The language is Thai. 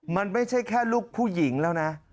มันไม่ใช่แค่ลูกผู้หญิงแล้วนะ